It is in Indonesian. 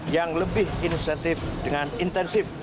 yang lebih inisiatif dengan intensif